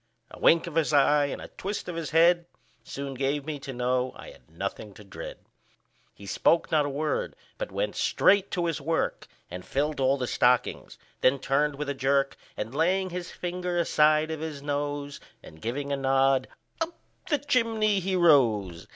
A wink of his eye, and a twist of his head, Soon gave me to know I had nothing to dread. He spoke not a word, but went straight to his work, And filled all the stockings; then turned with a jerk, And laying his finger aside of his nose, And giving a nod, up the chimney he rose.